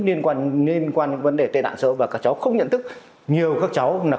liên quan vấn đề tên đạn xã hội và các cháu không nhận thức nhiều các cháu